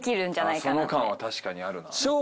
その感は確かにあるな。